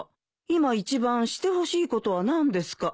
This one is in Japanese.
「今一番してほしいことはなんですか？」